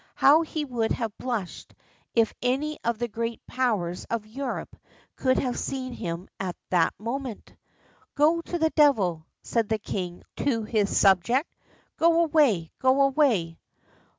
How he would have blushed if any of the Great Powers of Europe could have seen him at that moment! "Go to the devil," said the king to his subject. "Go away! go away!"